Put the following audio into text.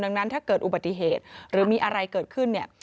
ดังนั้นถ้าเกิดอุบัติเหตุหรือมีอะไรเกิดขึ้นเนี่ย